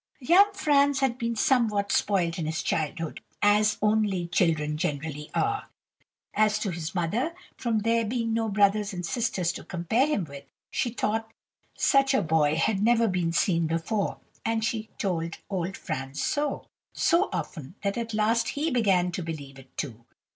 "Young Franz had been somewhat spoilt in his childhood, as only children generally are. As to his mother, from there being no brothers and sisters to compare him with, she thought such a boy had never been seen before; and she told old Franz so, so often, that at last he began to believe it too.